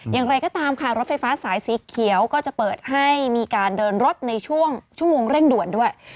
อย่างไรก็ตามค่ะรถไฟฟ้าสายสีเขียวก็จะเปิดให้มีการเดินรถในช่วงชั่วโมงเร่งด่วนด้วย